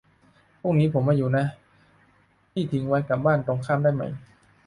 พรุ่งนี้ผมไม่อยู่นะ พี่ทิ้งไว้กับบ้านตรงข้ามได้ไหม